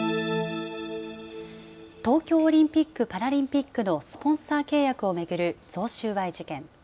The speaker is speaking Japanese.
東京オリンピック・パラリンピックのスポンサー契約を巡る贈収賄事件。